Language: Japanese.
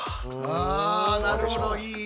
あなるほどいい考え。